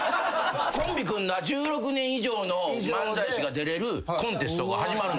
コンビ組んだ１６年以上の漫才師が出れるコンテストが始まるんですよ。